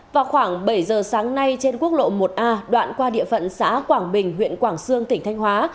vào khoảng bảy giờ sáng nay trên quốc lộ một a đoạn qua địa phận xã quảng bình huyện quảng sương tỉnh thanh hóa